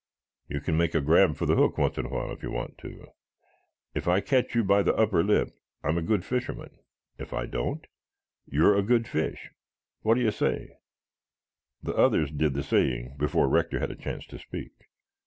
You can make a grab for the hook once in a while it you want to. If I catch you by the upper lip I'm a good fisherman. If I don't, you are a good fish. What do you say?" The others did the saying before Rector had a chance to speak.